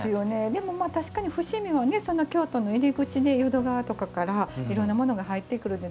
でもまあ確かに伏見は京都の入り口で淀川とかからいろんなものが入ってくるんで。